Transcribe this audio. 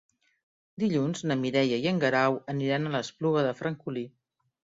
Dilluns na Mireia i en Guerau aniran a l'Espluga de Francolí.